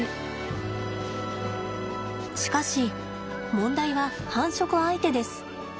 しかし問題は繁殖相手です。